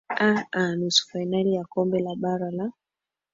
aa nusu fainali ya kombe la bara la